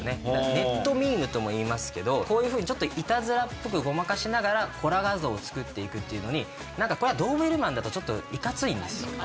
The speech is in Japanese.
ネットミームともいいますけどこういうふうにちょっといたずらっぽくごまかしながらコラ画像を作っていくっていうのにこれはドーベルマンだとちょっといかついんですよ。